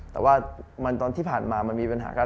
แต่ว่าตอนที่ผ่านมามันมีปัญหากัน